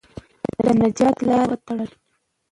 د نجات لاره یې وتړله.